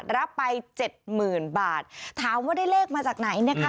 รับไปเจ็ดหมื่นบาทถามว่าได้เลขมาจากไหนนะคะ